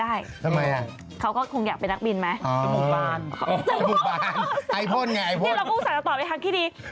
ไอโพนไงไอโพนพี่ดีไปหรอก